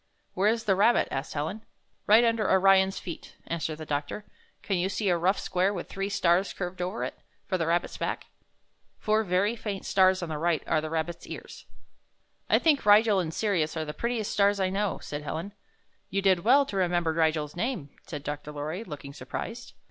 ''Where is the rabbit?" asked Helen. ''Right under Orion's feet," answered the doctor. "Can you see a rough square with three stars curved over it, for the rabbit's back? Four very faint stars on the right are the rabbit's ears." "I think Rigel and Sirius are the prettiest stars I know," said Helen. "You did well to remember Rigel's name," said Dr. Lorry, looking surprised.